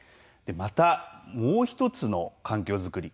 またもう１つの環境づくり